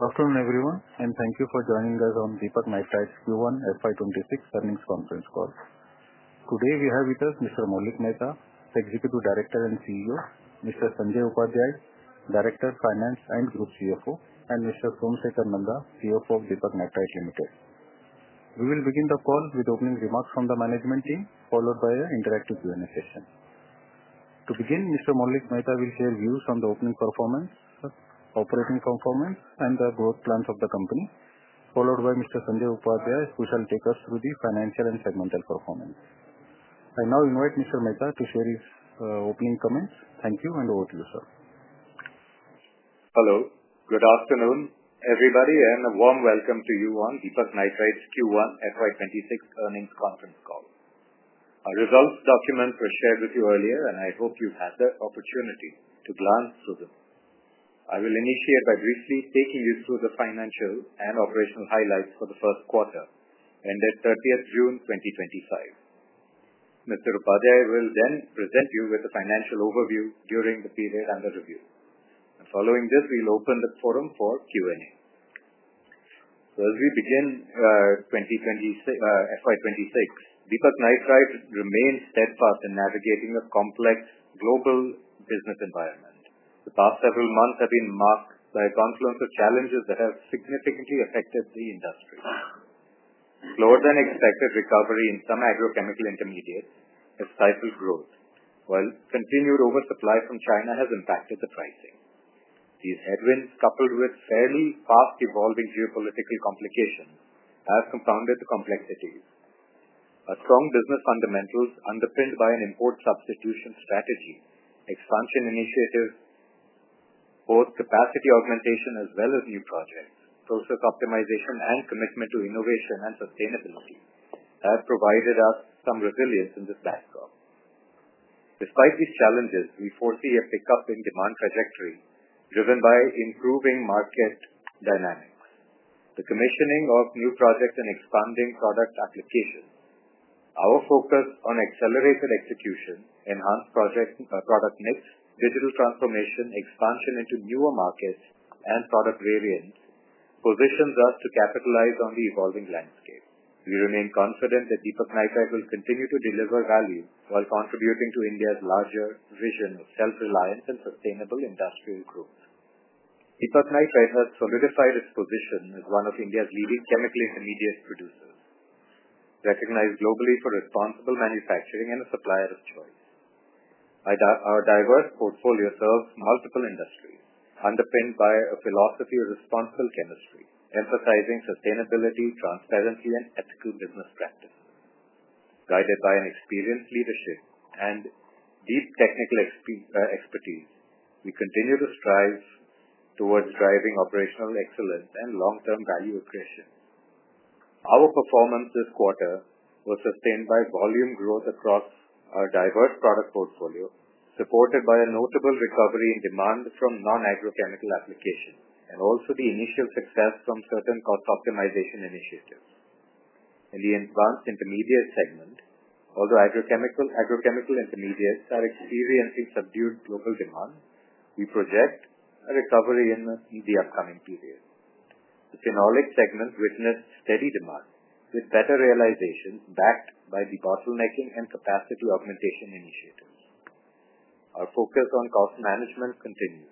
Welcome everyone, and thank you for joining us on Deepak Nitrite's Q1 FY 2026 Earnings Conference Call. Today we have with us Mr. Maulik Mehta, Executive Director and CEO, Mr. Sanjay Upadhyay, Director of Finance and Group CFO, and Mr. Somsekhar Nanda, CFO of Deepak Nitrite Limited. We will begin the call with opening remarks from the management team, followed by an interactive Q&A session. To begin, Mr. Maulik Mehta will share views on the opening performance, operating performance, and the growth plans of the company, followed by Mr. Sanjay Upadhyay, who shall take us through the financial and segmental performance. I now invite Mr. Mehta to share his opening comments. Thank you, and over to you, sir. Hello, good afternoon everybody, and a warm welcome to you on Deepak Nitrite's Q1 FY 2026 Earnings Conference Call. Our results document was shared with you earlier, and I hope you've had the opportunity to glance through them. I will initiate by briefly taking you through the financial and operational highlights for the first quarter, ended 30th June 2025. Mr. Upadhyay will then present you with a financial overview during the period under review. Following this, we'll open the forum for Q&A. As we begin FY 2026, Deepak Nitrite remains steadfast in navigating the complex global business environment. The past several months have been marked by a confluence of challenges that have significantly affected the industry. Slower than expected recovery in some agrochemical intermediates has stifled growth, while continued oversupply from China has impacted the pricing. These headwinds, coupled with fairly fast-evolving geopolitical complications, have compounded the complexities. Our strong business fundamentals, underpinned by an import substitution strategy, expansion initiatives, both capacity augmentation as well as new projects, process optimization, and commitment to innovation and sustainability, have provided us some resilience in this dashboard. Despite these challenges, we foresee a pickup in demand trajectory, driven by improving market dynamics, the commissioning of new projects, and expanding product applications. Our focus on accelerated execution, enhanced project product mix, digital transformation, expansion into newer markets, and product variants positions us to capitalize on the evolving landscape. We remain confident that Deepak Nitrite will continue to deliver value while contributing to India's larger vision of self-reliance and sustainable industrial growth. Deepak Nitrite has solidified its position as one of India's leading chemical intermediate producers, recognized globally for responsible manufacturing and a supplier of choice. Our diverse portfolio serves multiple industries, underpinned by a philosophy of responsible chemistry, emphasizing sustainability, transparency, and ethical business practice. Guided by an experienced leadership and deep technical expertise, we continue to strive towards driving operational excellence and long-term value attrition. Our performance this quarter was sustained by volume growth across our diverse product portfolio, supported by a notable recovery in demand from non-agrochemical applications and also the initial success from certain cost optimization initiatives. In the advanced intermediates segment, although agrochemical intermediates are experiencing subdued local demand, we project a recovery in the upcoming period. The phenolics segment witnessed steady demand with better realization, backed by deposit making and capacity augmentation initiatives. Our focus on cost management continues.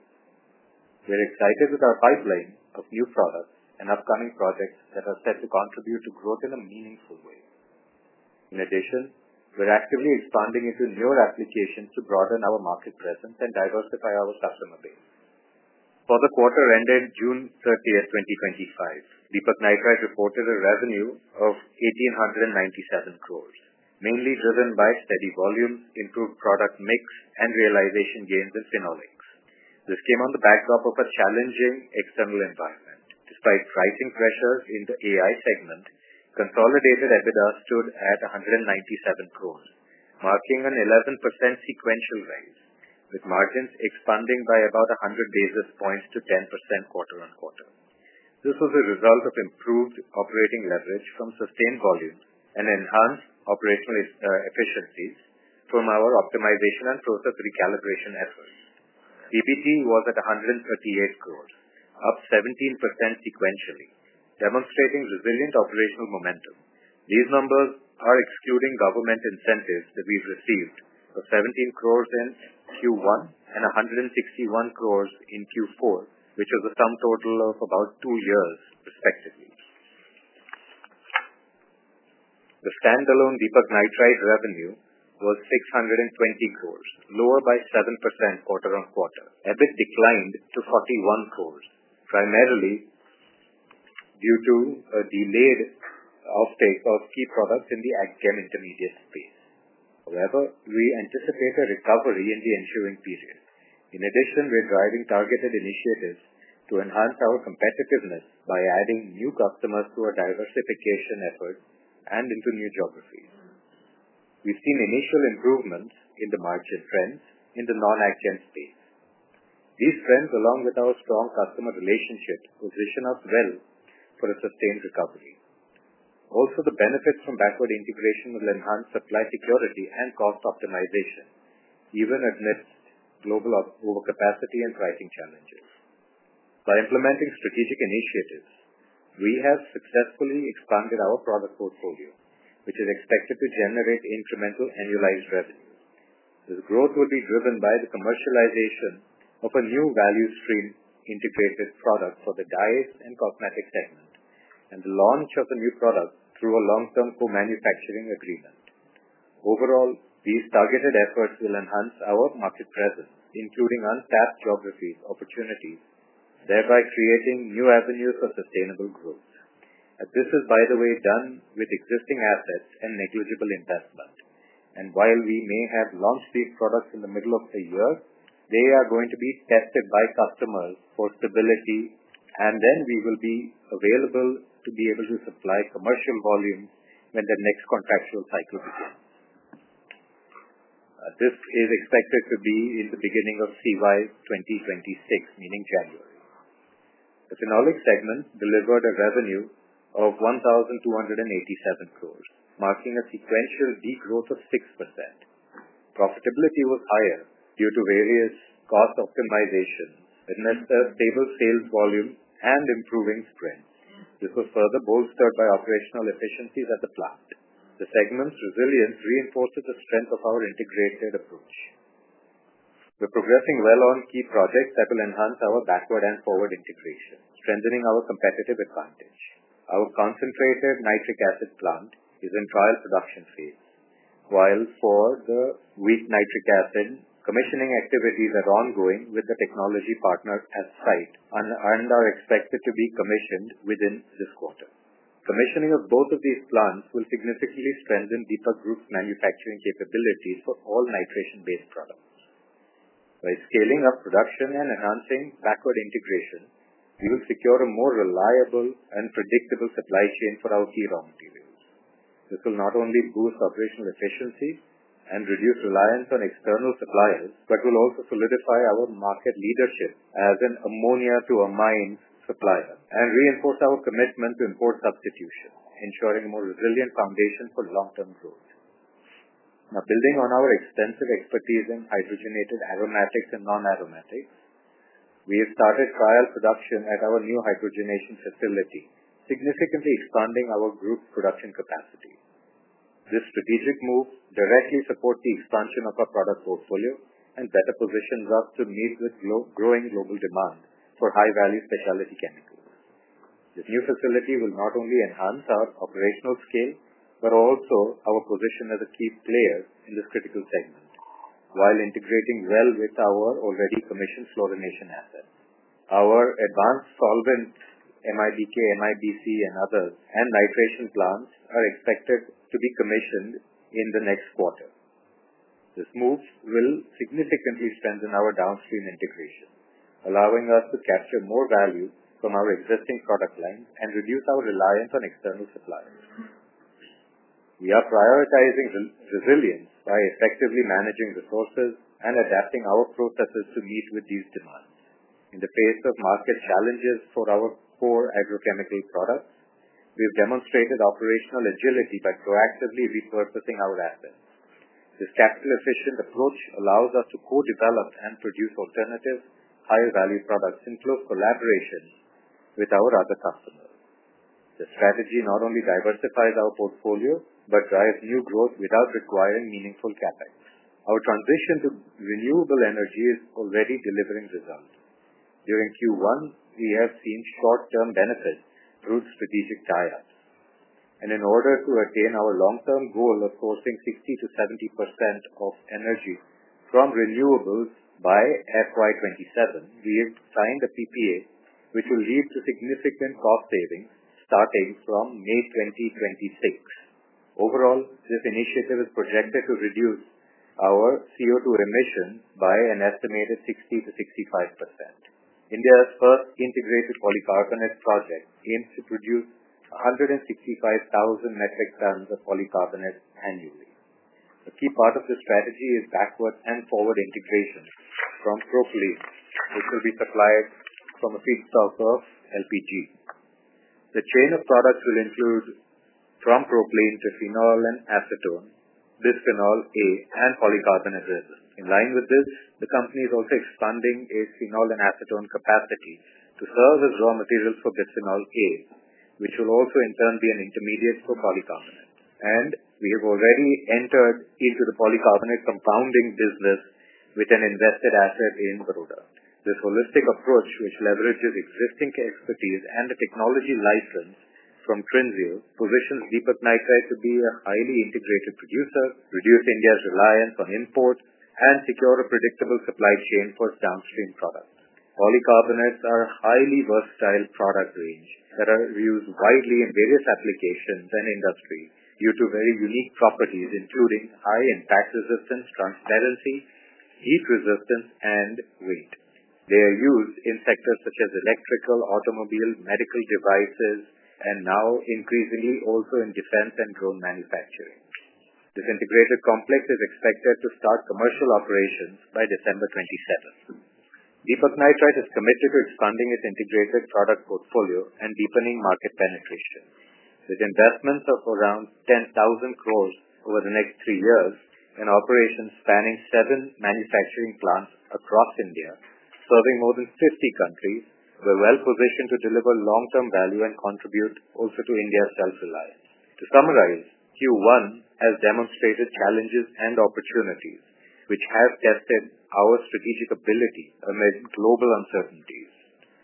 We're excited with our pipeline of new products and upcoming projects that are set to contribute to growth in a meaningful way. In addition, we're actively expanding into newer applications to broaden our market presence and diversify our customer base. For the quarter ended June 30th, 2025, Deepak Nitrite reported a revenue of 1,897 crore, mainly driven by steady volumes, improved product mix, and realization gains in phenolics. This came on the backdrop of a challenging external environment. Despite rising pressure in the advanced intermediates segment, consolidated EBITDA stood at 197 crore, marking an 11% sequential raise, with margins expanding by about 100 basis points to 10% quarter-on-quarter. This was a result of improved operating leverage from sustained volume and enhanced operational efficiencies from our optimization and process recalibration efforts. EBITDA was at 138 crore, up 17% sequentially, demonstrating resilient operational momentum. These numbers are excluding government incentives that we've received of 17 crore in Q1 and 161 crore in Q4, which is a sum total of about two years, respectively. The standalone Deepak Nitrite revenue was 620 crore, lower by 7% quarter-on-quarter. EBITDA declined to 41 crore, primarily due to a delayed offtake of key products in the ag chem intermediate space. However, we anticipate a recovery in the ensuing period. In addition, we're driving targeted initiatives to enhance our competitiveness by adding new customers to our diversification effort and into new geographies. We've seen initial improvements in the market trends in the non-ag chem space. These trends, along with our strong customer relationships, position us well for a sustained recovery. Also, the benefits from backward integration will enhance supply security and cost optimization, even amidst global overcapacity and pricing challenges. By implementing strategic initiatives, we have successfully expanded our product portfolio, which is expected to generate incremental annualized revenue. This growth will be driven by the commercialization of a new value stream integrated product for the diet and cosmetics segment and the launch of a new product through a long-term co-manufacturing agreement. Overall, these targeted efforts will enhance our market presence, including untapped geographies' opportunities, thereby creating new avenues of sustainable growth. This is, by the way, done with existing assets and negligible investment. While we may have launched these products in the middle of the year, they are going to be tested by customers for stability, and then we will be available to be able to supply commercial volume when the next contractual cycle begins. This is expected to be at the beginning of CY 2026, meaning January. The phenolic segment delivered a revenue of 1,287 crore, marking a sequential degrowth of 6%. Profitability was higher due to various cost optimizations, administered stable sales volume, and improving strength. This was further bolstered by operational efficiencies at the plant. The segment's resilience reinforces the strength of our integrated approach. We're progressing well on key projects that will enhance our backward and forward integration, strengthening our competitive advantage. Our concentrated nitric acid plant is in trial production phase. For the weak nitric acid, commissioning activities are ongoing with the technology partners at site and are expected to be commissioned within this quarter. Commissioning of both of these plants will significantly strengthen Deepak Group's manufacturing capabilities for all nitration-based products. By scaling up production and enhancing backward integration, we will secure a more reliable and predictable supply chain for our key raw materials. This will not only boost operational efficiency and reduce reliance on external suppliers, but will also solidify our market leadership as an ammonia to amine supplier and reinforce our commitment to import substitution, ensuring a more resilient foundation for long-term growth. Now, building on our extensive expertise in hydrogenated aromatics and non-aromatics, we have started trial production at our new hydrogenation facility, significantly expanding our group production capacity. This strategic move directly supports the expansion of our product portfolio and better positions us to meet with growing global demand for high-value specialty chemicals. This new facility will not only enhance our operational scale, but also our position as a key player in this critical segment, while integrating well with our already commissioned fluorination assets. Our advanced solvent MIBK, MIBC, and others, and nitration plants are expected to be commissioned in the next quarter. This move will significantly strengthen our downstream integration, allowing us to capture more value from our existing product lines and reduce our reliance on external suppliers. We are prioritizing resilience by effectively managing resources and adapting our processes to meet with these demands. In the face of market challenges for our core agrochemical products, we've demonstrated operational agility by proactively repurposing our assets. This capture-efficient approach allows us to co-develop and produce alternative, higher-value products in close collaboration with our other customers. This strategy not only diversifies our portfolio, but drives new growth without requiring meaningful CapEx. Our transition to renewable energy is already delivering results. During Q1, we have seen short-term benefits through strategic tie-ups. In order to attain our long-term goal of sourcing 60%-70% of energy from renewables by FY 2027, we have signed a PPA, which will lead to significant cost savings starting from May 2026. Overall, this initiative is projected to reduce our CO2 emissions by an estimated 60%-65%. India's first integrated polycarbonate project aims to produce 165,000 MT of polycarbonate annually. A key part of this strategy is backward and forward integration from propylene, which will be supplied from a feedstock of LPG. The chain of products will include from propylene to phenol and acetone, bisphenol A, and polycarbonate acid. In line with this, the company is also expanding its phenol and acetone capacity to serve as raw materials for bisphenol A, which will also in turn be an intermediate for polycarbonate. We have already entered into the polycarbonate compounding business with an invested asset in Vadodara. This holistic approach, which leverages existing expertise and the technology license from Trinseo, positions Deepak Nitrite to be a highly integrated producer, reduce India's reliance on imports, and secure a predictable supply chain for its downstream products. Polycarbonates are a highly versatile product range that are used widely in various applications and industries due to very unique properties, including high impact resistance, transparency, heat resistance, and weight. They are used in sectors such as electrical, automobile, medical devices, and now increasingly also in defense and drone manufacturing. This integrated complex is expected to start commercial operations by December 27. Deepak Nitrite Limited is committed to expanding its integrated product portfolio and deepening market penetration. With investments of around 10,000 crore over the next three years and operations spanning seven manufacturing plants across India, serving more than 50 countries, we're well positioned to deliver long-term value and contribute also to India's self-reliance. To summarize, Q1 has demonstrated challenges and opportunities, which have tested our strategic ability amid global uncertainties.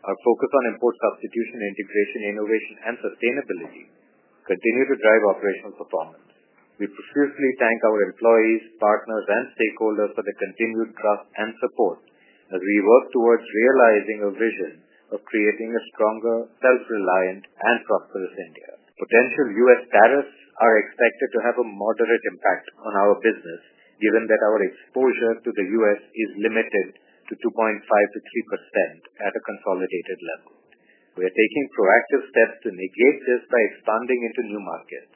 Our focus on import substitution, integration, innovation, and sustainability continues to drive operational performance. We profusely thank our employees, partners, and stakeholders for their continued trust and support as we work towards realizing a vision of creating a stronger, self-reliant, and prosperous India. Potential U.S. tariffs are expected to have a moderate impact on our business, given that our exposure to the U.S. is limited to 2.5%-3% at a consolidated level. We are taking proactive steps to negate this by expanding into new markets.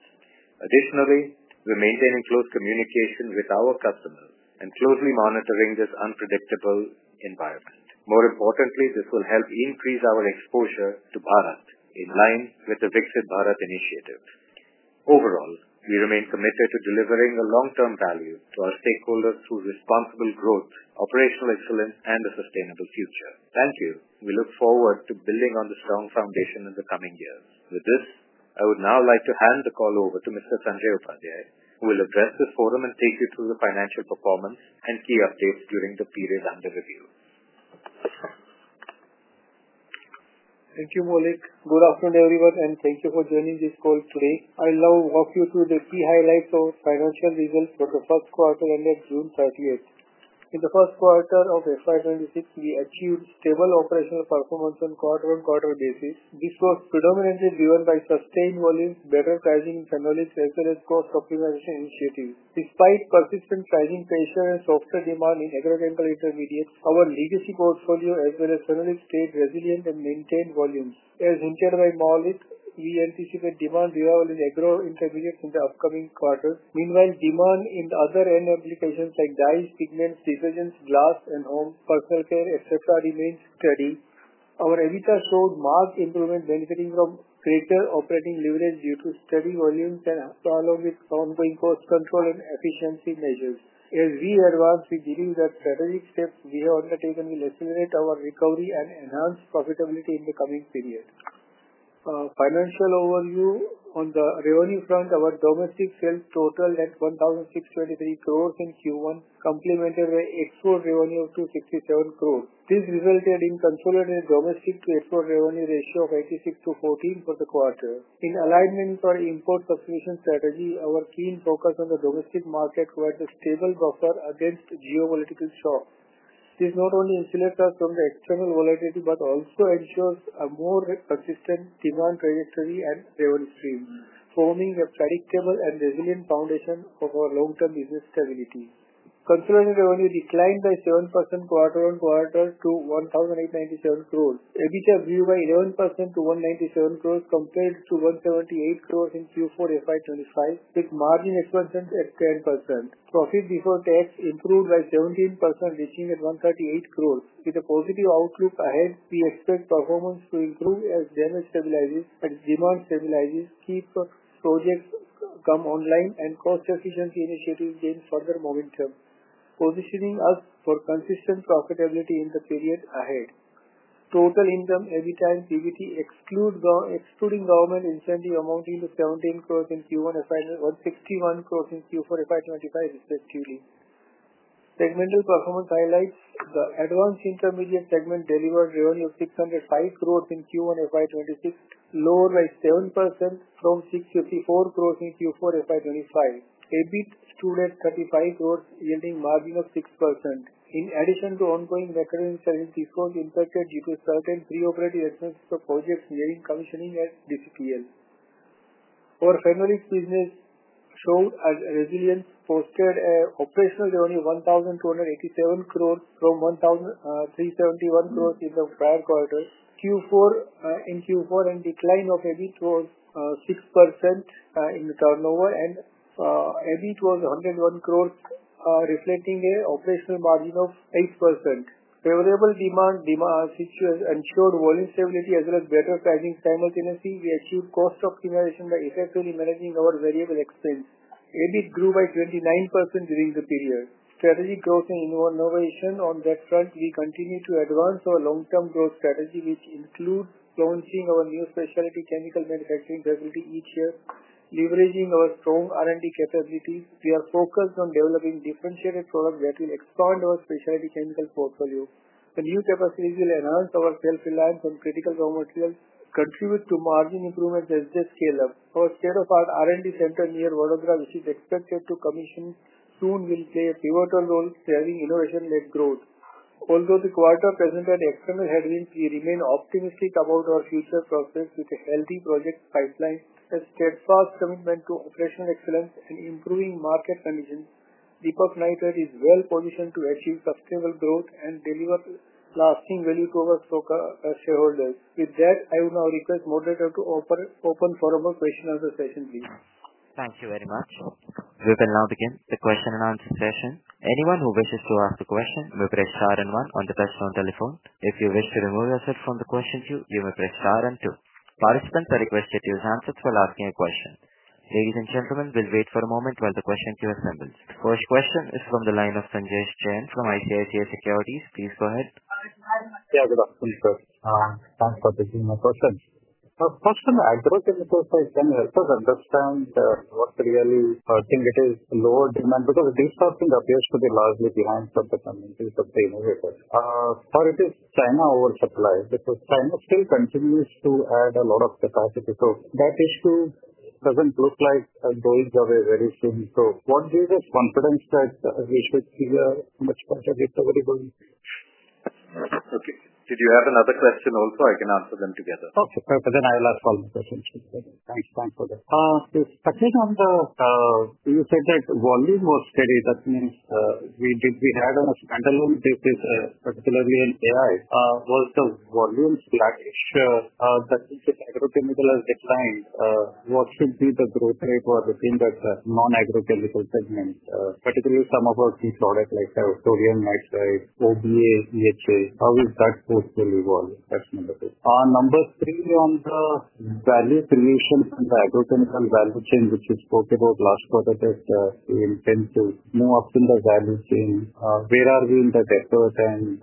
Additionally, we're maintaining close communication with our customers and closely monitoring this unpredictable environment. More importantly, this will help increase our exposure to Bharat in line with the BRICS Bharat initiative. Overall, we remain committed to delivering long-term value to our stakeholders through responsible growth, operational excellence, and a sustainable future. Thank you. We look forward to building on the strong foundation in the coming years. With this, I would now like to hand the call over to Mr. Sanjay Upadhyay, who will address the forum and take you through the financial performance and key updates during the period under review. Thank you, Maulik. Good afternoon, everyone, and thank you for joining this call today. I'll now walk you through the key highlights of the financial readings for the first quarter ended June 30th. In the first quarter of FY 2026, we achieved stable operational performance on a quarter-on-quarter basis. This was predominantly driven by sustained volume, better pricing, and phenolics, as well as core property management initiatives. Despite persistent pricing pressures and softer demand in agrochemical intermediates, our legacy portfolio, as well as phenolics, stayed resilient and maintained volume. As hinted by Maulik, we anticipate demand rebound in agro intermediates in the upcoming quarter. Meanwhile, demand in other end applications like dyes, pigments, detergents, glass, and home personal care, etc. remains steady. Our EBITDA showed marked improvements, benefiting from greater operating leverage due to steady volumes that are followed with ongoing cost control and efficiency measures. As we advance with giving the strategic steps we have undertaken, we'll accelerate our recovery and enhance profitability in the coming period. A financial overview on the revenue front, our domestic sales totaled INR 1,623 crores in Q1, complemented by export revenue of INR 267 crores. This resulted in a consolidated domestic to export revenue ratio of 86/14 for the quarter. In alignment with our import substitution strategy, our team focused on the domestic market, where the stable buffer against geopolitical shocks. This not only insulates us from the external volatility, but also ensures a more consistent demand trajectory and revenue stream, forming a predictable and resilient foundation for our long-term business stability. Consumer revenue declined by 7% quarter-on-quarter to INR 1,897 crores. EBITDA grew by 11% to 197 crores compared to 178 crores in Q4 FY25, with margin expansion at 10%. Profit before tax improved by 17%, reaching 138 crores. With a positive outlook ahead, we expect performance to improve as demand stabilizes, key projects come online, and cost efficiency initiatives gain further momentum, positioning us for consistent profitability in the period ahead. Total income, EBITDA, and PBT, excluding government incentive amount, is 17 crores in Q1 FY and 161 crores in Q4 FY 2025, respectively. Segmental performance highlights the advanced intermediate segment delivered revenue of 605 crores in Q1 FY 2026, lower by 7% from 654 crores in Q4 FY 2025. EBIT stood at 35 crore, yielding a margin of 6%. In addition to ongoing recurring sales, these funds impacted due to certain preoperative expenses for projects nearing commissioning as disappeared. Our phenolics business showed a resilience posted at an operational revenue of 1,287 crore from 1,371 crore in the prior quarter. In Q4, a decline of EBIT was 6% in the turnover, and EBIT was 101 crore, reflecting an operational margin of 8%. Favorable demand situation ensured volume stability as well as better pricing simultaneously. We achieved cost optimization by effectively managing our variable expense. EBIT grew by 29% during the period. Strategic growth and innovation on that front, we continue to advance our long-term growth strategy, which includes launching our new specialty chemical manufacturing facility each year, leveraging our strong R&D capabilities. We are focused on developing differentiated products that will expand our specialty chemical portfolio. The new capacity will enhance our self-reliance on critical raw materials, contribute to margin improvements, and scale up. Our state-of-the-art R&D center near Vadodara, which is expected to commission soon, will play a pivotal role driving innovation-led growth. Although the quarter presented external headwinds, we remain optimistic about our future progress with a healthy project pipeline, a steadfast commitment to operational excellence, and improving market conditions. Deepak Nitrite is well positioned to achieve sustainable growth and deliver lasting value to our stock shareholders. With that, I will now request Maulik to open forum for questions after the session, please. Thank you very much. We will now begin the question and answer session. Anyone who wishes to ask a question may press star and one on the telephone. If you wish to remove yourself from the question queue, you may press star and two. Participants are requested to use handsets while asking a question. Ladies and gentlemen, we'll wait for a moment while the question queue is assembled. First question is from the line of Sanjay Srin from IKSA Securities. Please go ahead. Good afternoon. Thanks for taking my question. First question, agricultural sector is going to help us understand what really, I think, it is lower demand because this sort of thing appears to be largely demand from the communities of the innovators. Part of it is China oversupplies because China still continues to add a lot of capacity. That issue doesn't look like going away very soon. What gives us confidence that we should see a much better recovery going forward? Okay. Did you have another question also? I can answer them together. Okay. I'll ask all the questions together. Thanks. Thanks for that. The question on the, you said that volume was steady. That means we did, we had a standalone business, particularly in advanced intermediates. Was the volume sluggish? That means if agrochemical declined, what should be the growth rate for the non-agrochemical segment? Particularly some of our key products like toluene, nitrate, OBA, CHA. How is that growth still evolving? That's number two. Number three, on the value creation and the agrochemical value chain, which was talked about last quarter, is the intent to move up in the value chain. Where are we in the sector and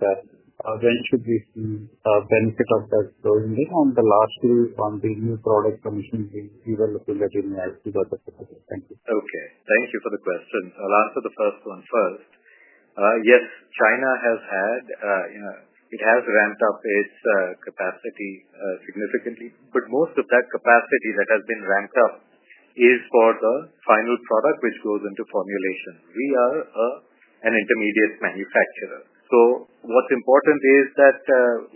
when should we see the benefit of that growing? On the last one, on the new product commission, we will look into that. Okay. Thank you for the question. I'll answer the first one first. Yes, China has had, you know, it has ramped up its capacity significantly, but most of that capacity that has been ramped up is for the final product, which goes into formulation. We are an intermediate manufacturer. What's important is that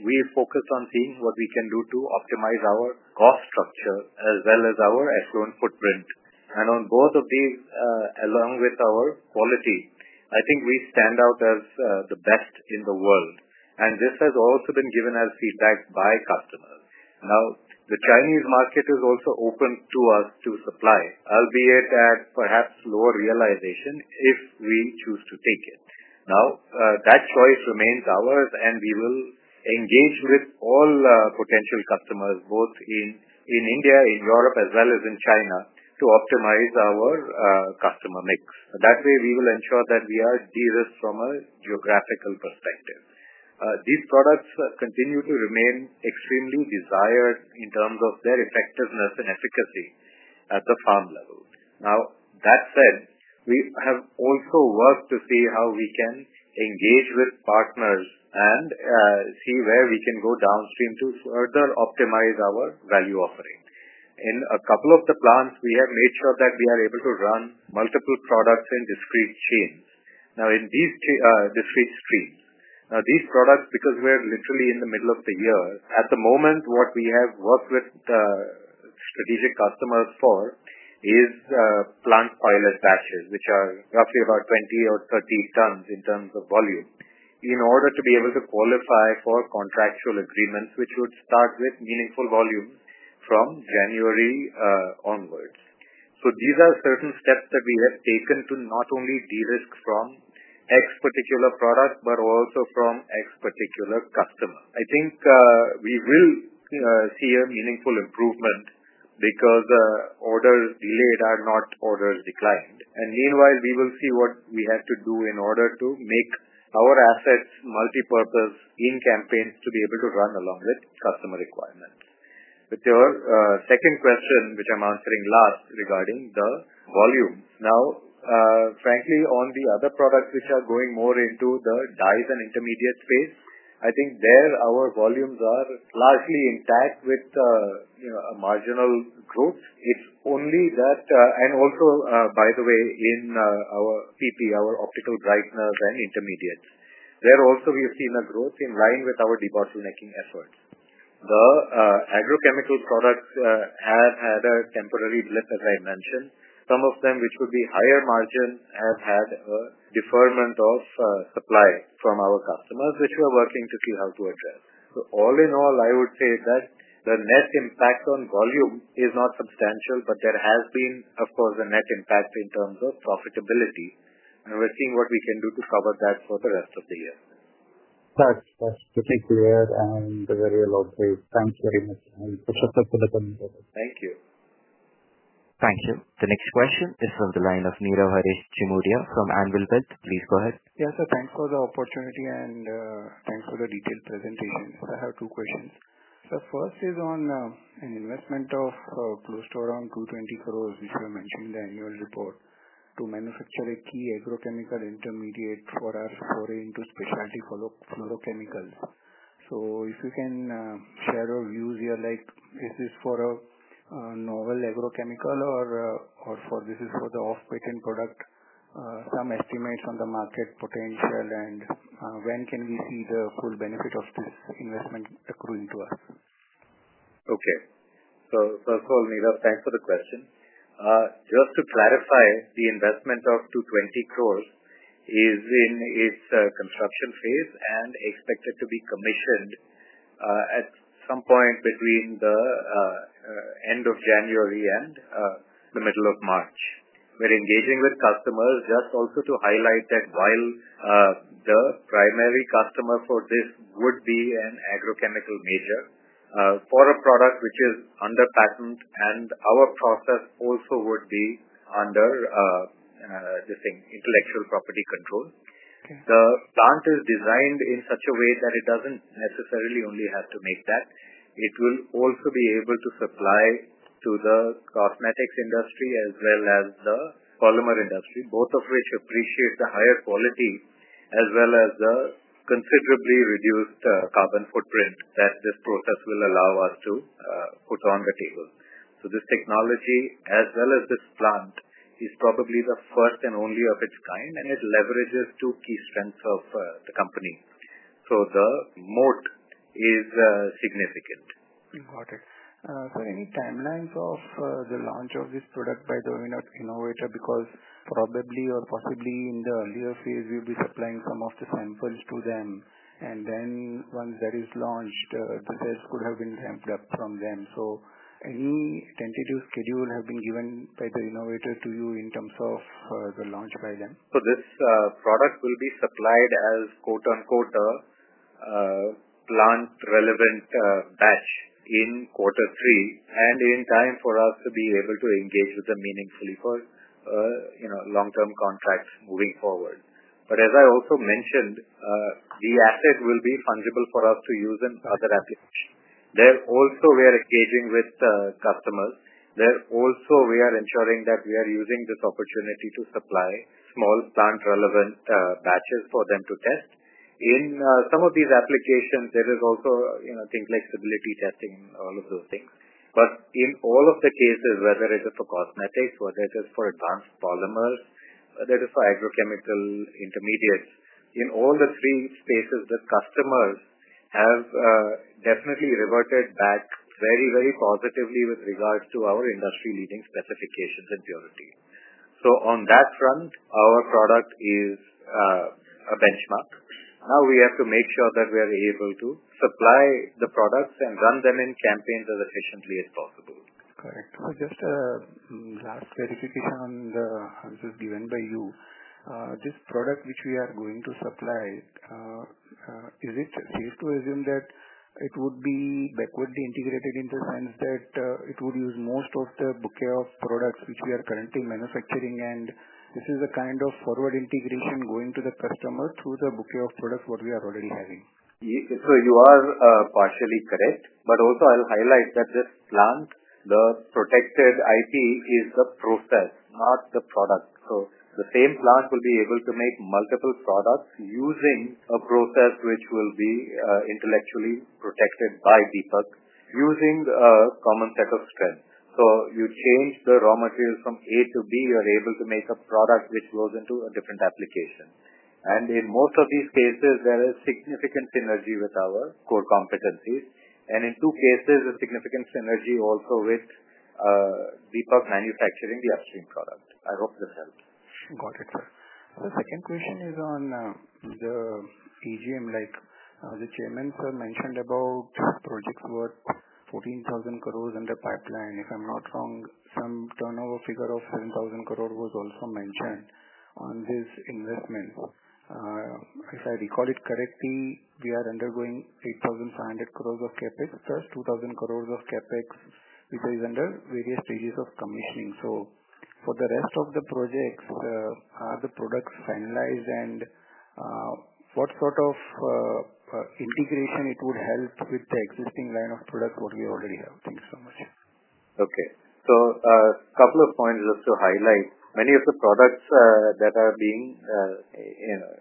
we focus on seeing what we can do to optimize our cost structure as well as our escrow and footprint. On both of these, along with our quality, I think we stand out as the best in the world. This has also been given as feedback by customers. The Chinese market is also open to us to supply, albeit at perhaps lower realization if we choose to take it. That choice remains ours, and we will engage with all potential customers, both in India, in Europe, as well as in China, to optimize our customer mix. That way, we will ensure that we are de-risked from a geographical perspective. These products continue to remain extremely desired in terms of their effectiveness and efficacy at the farm level. That said, we have also worked to see how we can engage with partners and see where we can go downstream to further optimize our value offering. In a couple of the plants, we have made sure that we are able to run multiple products in discrete streams. In these discrete streams, these products, because we're literally in the middle of the year at the moment, what we have worked with the strategic customers for is plant oil and batches, which are roughly about 20 tons or 30 tons in terms of volume, in order to be able to qualify for contractual agreements, which would start with meaningful volume from January onwards. These are certain steps that we have taken to not only de-risk from X particular product, but also from X particular customer. I think we will see a meaningful improvement because the orders delayed are not orders declined. Meanwhile, we will see what we have to do in order to make our assets multipurpose in campaigns to be able to run along with customer requirements. With your second question, which I'm answering last regarding the volume. Frankly, on the other products which are going more into the dyes and intermediate space, I think there, our volumes are largely intact with, you know, a marginal growth. It's only that, and also, by the way, in our PP, our optical brightness and intermediates. There also, we have seen a growth in line with our deposit making efforts. The agrochemical products have had a temporary blip, as I mentioned. Some of them, which would be higher margin, have had a deferment of supply from our customers, which we're working to see how to address. All in all, I would say is that the net impact on volume is not substantial, but there has been, of course, a net impact in terms of profitability. We're seeing what we can do to cover that for the rest of the year. That's perfectly clear and very well put. Thanks very much. I'll prepare for the coming quarter. Thank you. Thank you. The next question is from the line of Niravaris Chimudia from Anvil Beltz. Please go ahead. Yes, thank you for the opportunity and thanks for the detailed presentation. I have two questions. The first is on an investment of close to around 220 crore, which we're mentioning in the annual report, to manufacture a key agrochemical intermediate for us, foreign to specialty polymer chemical. If you can share your views here, like is this for a novel agrochemical or is this for the off-breaking product? Some estimates on the market potential and when can we see the full benefit of two increment accruing to us? Okay. First of all, Nira, thanks for the question. Just to clarify, the investment of 220 crore is in its construction phase and expected to be commissioned at some point between the end of January and the middle of March. We're engaging with customers. Just also to highlight that while the primary customer for this would be an agrochemical major for a product which is under patent and our process also would be under, just saying, intellectual property control. The plant is designed in such a way that it doesn't necessarily only have to make that. It will also be able to supply to the cosmetics industry as well as the polymer industry, both of which appreciate the higher quality as well as the considerably reduced carbon footprint that this process will allow us to put on the table. This technology, as well as this plant, is probably the first and only of its kind, and it leverages two key strengths of the company. The moat is significant. Got it. Are there any timelines of the launch of this product by the winner innovator? Because probably or possibly in the earlier phase, we'll be displaying some of the samples to them. Once that is launched, the samples could have been dumped from them. Any tentative schedule has been given by the innovator to you in terms of the launch by them? This product will be supplied as, quote-unquote, "a plant-relevant batch" in quarter three in time for us to be able to engage with them meaningfully for, you know, long-term contracts moving forward. As I also mentioned, the asset will be fungible for us to use in other applications. There also, we are engaging with the customers. There also, we are ensuring that we are using this opportunity to supply small plant-relevant batches for them to test. In some of these applications, there is also, you know, things like stability testing and all of those things. In all of the cases, whether it is for cosmetics, whether it is for advanced polymers, whether it is for agrochemical intermediates, in all the three spaces, the customers have definitely reverted back very, very positively with regards to our industry-leading specifications and purity. On that front, our product is a benchmark. Now we have to make sure that we are able to supply the products and run them in campaigns as efficiently as possible. Correct. Just a last verification on how it was given by you. This product which we are going to supply, do you presume that it would be backwardly integrated into the plans, that it would use most of the bouquet of products which we are currently manufacturing? This is a kind of forward integration going to the customers through the bouquet of products we are already having. You are partially correct. I'll highlight that this plant, the protected IP is the process, not the product. The same plant will be able to make multiple products using a process which will be intellectually protected by Deepak using a common set of strengths. If you change the raw materials from A to B, you're able to make a product which goes into a different application. In most of these cases, there is significant synergy with our core competencies. In two cases, there's significant synergy also with Deepak manufacturing the upstream product. I hope this helps. Got it. The second question is on the CGM. The Chairman mentioned about projects worth 14,000 crore in the pipeline. If I'm not wrong, some turnover figure of 14,000 crore was also mentioned on this investment. If I record it correctly, you are undergoing 8,500 crore of CapEx plus 2,000 crore of CapEx because it's under various stages of commissioning. For the rest of the projects, are the products finalized? What sort of integration would it help with the existing line of products we already have? Thanks so much. Okay. A couple of points just to highlight. Many of the products that are being, you know,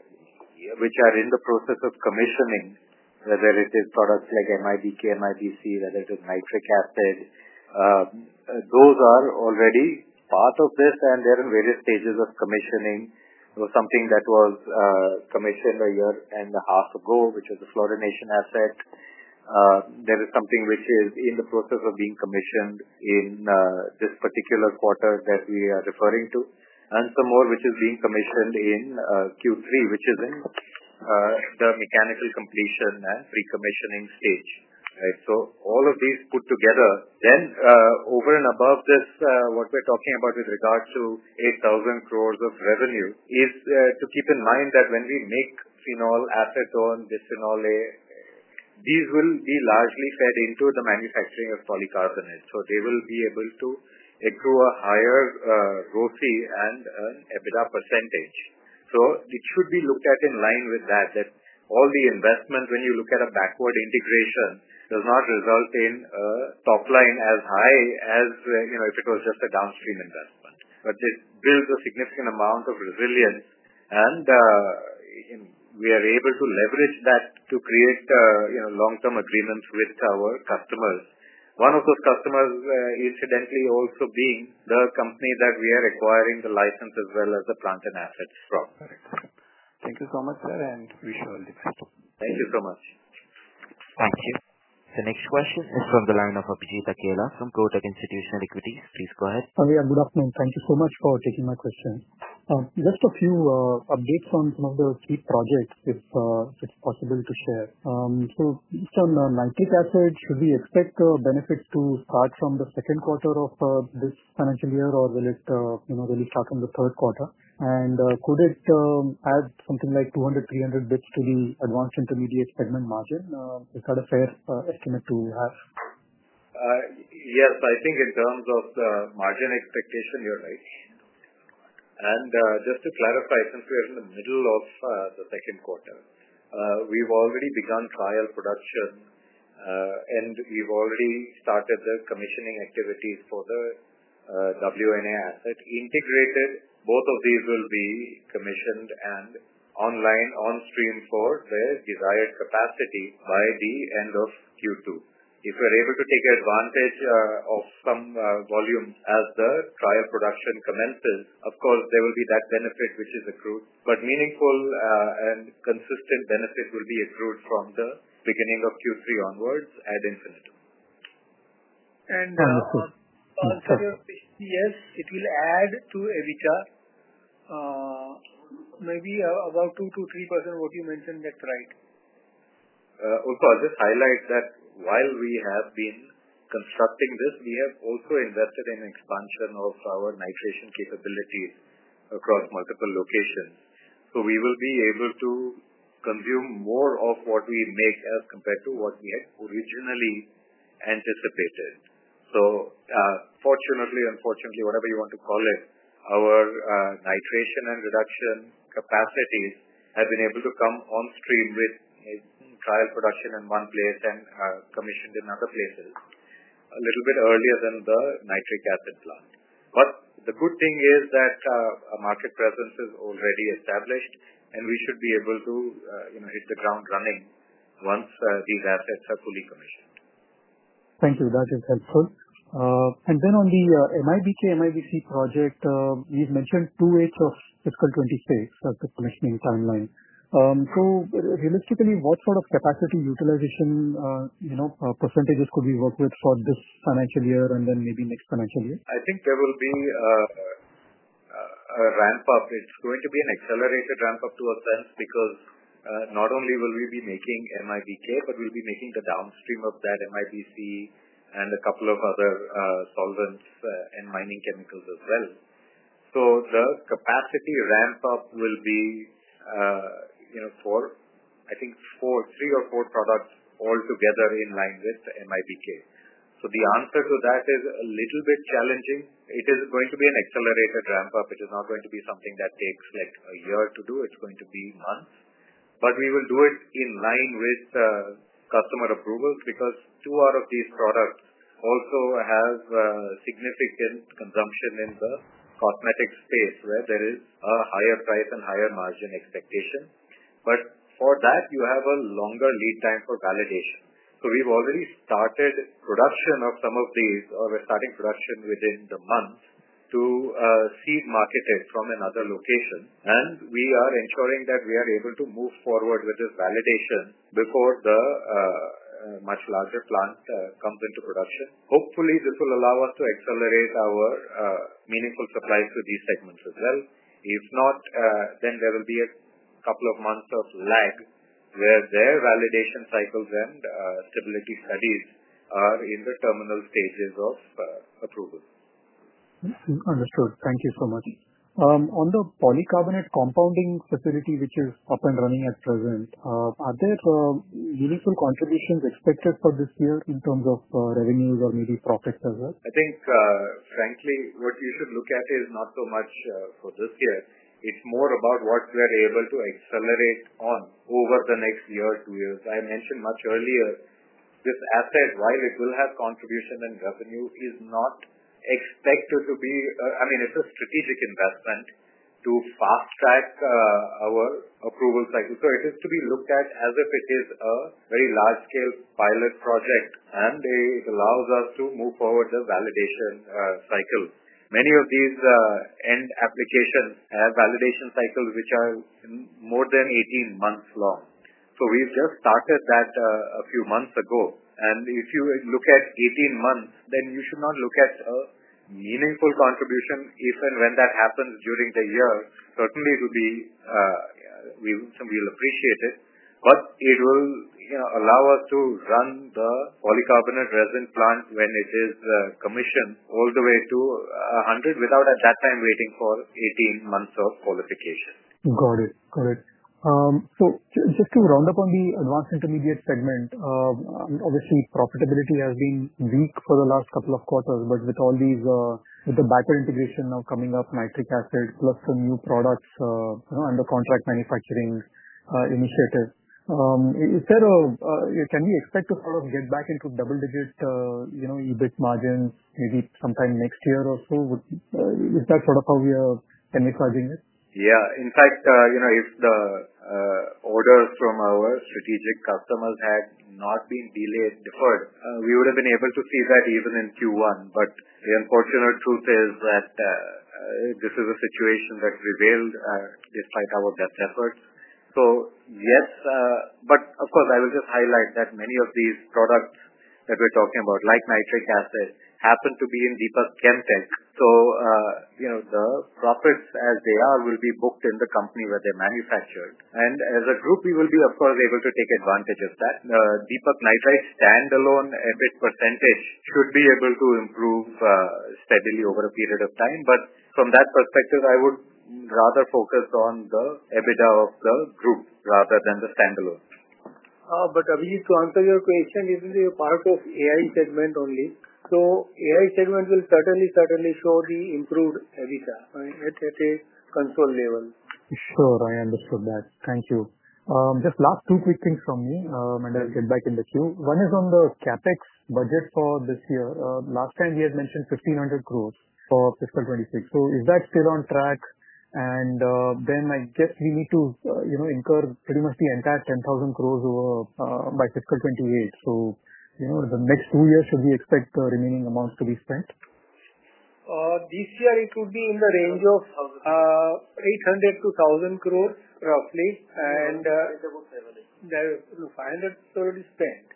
which are in the process of commissioning, whether it is products like MIBC, MIBC, whether it is nitric acid, those are already part of this and they're in various stages of commissioning. There was something that was commissioned a year and a half ago, which is a fluorination asset. There is something which is in the process of being commissioned in this particular quarter that we are referring to, and some more which is being commissioned in Q3, which is in the mechanical completion and pre-commissioning stage. Right. All of these put together, then, over and above this, what we're talking about with regard to 8,000 crore of revenue is to keep in mind that when we make phenol, acetone, bisphenol A, these will be largely fed into the manufacturing of polycarbonate. They will be able to accrue a higher growth rate and an EBITDA percentage. It should be looked at in line with that, that all the investment, when you look at a backward integration, does not result in a top line as high as, you know, if it was just a downstream investment. This builds a significant amount of resilience. You know, we are able to leverage that to create, you know, long-term agreements with our customers. One of those customers, incidentally, also being the company that we are acquiring the license as well as the plant and assets from. Thank you so much, sir, and wish you all the best. Thank you so much. Thank you. The next question is from the line of Abhijit Akiola from Protech Institutional Equities. Please go ahead. Hi, good afternoon. Thank you so much for taking my question. Just a few updates on some of the sweet projects, if it's possible to share. Based on the nitrate assets, should we expect a benefit to start from the second quarter of this financial year, or will it really start from the third quarter? Could it add something like 200 bps, 300 bps to the advanced intermediates segment margin? Is that a fair estimate to have? Yes, I think in terms of the margin expectation, you're right. Just to clarify, since we are in the middle of the second quarter, we've already begun trial production and we've already started the commissioning activities for the WNA asset integrated. Both of these will be commissioned and online on stream for the desired capacity by the end of Q2. If we're able to take advantage of some volume as the trial production commences, of course, there will be that benefit which is accrued. Meaningful and consistent benefits will be accrued from the beginning of Q3 onwards at infinitum. And. On the quote. Sure. Yes, it will add to EBITDA, maybe about 2%-3% of what you mentioned. That's right. Of course, this highlights that while we have been constructing this, we have also invested in expansion of our nitration capabilities across multiple locations. We will be able to consume more of what we make as compared to what we had originally anticipated. Fortunately or unfortunately, whatever you want to call it, our nitration and reduction capacities have been able to come on stream with trial production in one place and commissioned in other places a little bit earlier than the nitric acid plant. The good thing is that a market presence is already established, and we should be able to hit the ground running once these assets are fully commissioned. Thank you. That is helpful. On the MIBK, MIBC project, you've mentioned 2/8 of typical 20 stakes of the commissioning timeline. Realistically, what sort of capacity utilization percentages could we work with for this financial year and then maybe next financial year? I think there will be a ramp-up. It's going to be an accelerated ramp-up to assess because not only will we be making MIBK, but we'll be making the downstream of that, MIBC, and a couple of other solvents and mining chemicals as well. The capacity ramp-up will be, you know, for, I think, three or four products all together in line with the MIBK. The answer to that is a little bit challenging. It is going to be an accelerated ramp-up. It is not going to be something that takes a year to do. It's going to be months. We will do it in line with customer approvals because two out of these products also have significant consumption in the cosmetic space where there is a higher price and higher margin expectation. For that, you have a longer lead time for validation. We've already started production of some of these, or we're starting production within the month to seed market it from another location. We are ensuring that we are able to move forward with this validation before the much larger plant comes into production. Hopefully, this will allow us to accelerate our meaningful supplies to these segments as well. If not, then there will be a couple of months of lag where their validation cycles and stability studies are in the terminal stages of approval. Understood. Thank you so much. On the polycarbonate compounding facility, which is up and running at present, are there uniform contributions expected for this year in terms of revenues or maybe profits as well? I think, frankly, what you should look at is not so much for this year. It's more about what we are able to accelerate on over the next year or two years. I mentioned much earlier, this asset, while it will have contribution and revenue, is not expected to be, I mean, it's a strategic investment to fast track our approval cycle. It is to be looked at as if it is a very large-scale pilot project, and it allows us to move forward to a validation cycle. Many of these end applications have validation cycles which are more than 18 months long. We've just started that a few months ago. If you look at 18 months, then you should not look at a meaningful contribution if and when that happens during the year. Certainly, it will be, you simply appreciate it. It will, you know, allow us to run the polycarbonate resin plant when it is commissioned all the way to 100 without at that time waiting for 18 months of qualification. Got it. Just to round up on the advanced intermediates segment, obviously, profitability has been weak for the last couple of quarters, but with all these, with the backward integration now coming up, nitric acid plus some new products under contract manufacturing initiatives, is there a, can we expect to sort of get back into double-digit EBIT margins maybe sometime next year or so? Is that sort of how we are, can we imagine it? In fact, if the orders from our strategic customers had not been delayed or deferred, we would have been able to see that even in Q1. The unfortunate truth is that this is a situation that's revealed, despite our best efforts. Yes, I will just highlight that many of these products that we're talking about, like nitric acid, happen to be in Deepak Chem Tech. The droplets as they are will be booked in the company where they're manufactured, and as a group, we will be able to take advantage of that. Deepak Nitrite's standalone EBITDA percentage should be able to improve steadily over a period of time. From that perspective, I would rather focus on the EBITDA of the group rather than the standalone. Abhijit, to answer your question, this is a part of AI segment only. AI segment will certainly, certainly show the improved, at a control level. Sure. I understood that. Thank you. Just last two quick things from me, and I'll get back in the queue. One is on the CapEx budget for this year. Last time, we had mentioned 1,500 crores for fiscal 2026. Is that still on track? I guess we need to incur pretty much the entire 10,000 crores over by fiscal 2028. The next two years, should we expect the remaining amounts to be spent? This year it would be in the range of 800-1,000 crore roughly. That would be fair. 500 crore is already spent.